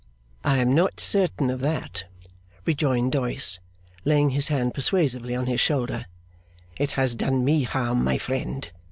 'I am not certain of that,' rejoined Doyce, laying his hand persuasively on his shoulder. 'It has done me harm, my friend.